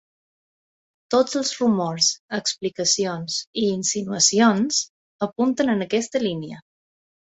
Tots els rumors, explicacions i insinuacions apunten en aquesta línia.